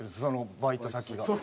そのバイト先が。